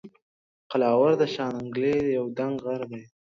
قلاور د شانګلې یو دنګ غر دے